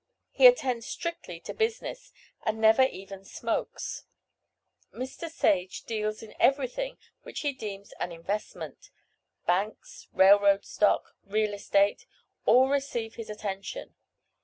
He attends strictly to business, and never even smokes. Mr. Sage deals in everything which he deems "an investment," banks, railroad stock, real estate, all receive his attention.